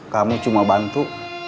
kamu cuma bantu